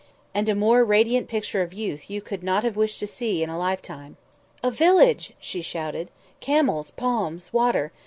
And a more radiant picture of youth you could not have wished to see in a lifetime. "A village!" she shouted. "Camels, palms, water.